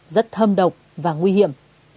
rất thâm độc và nguy hiểm